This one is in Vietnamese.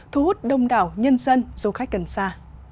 thu hút đông đảo nhân dân du khách gần xa